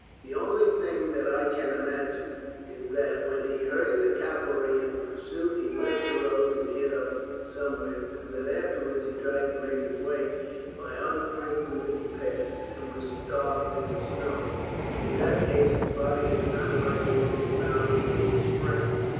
"The only thing that I can imagine is that, when he heard the cavalry in pursuit, he left the road and hid up somewhere; and that afterwards he tried to make his way by unfrequented paths, and was starved in the snow. In that case his body is not likely to be found until the spring."